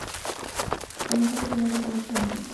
Comenzó a patinar con ocho años.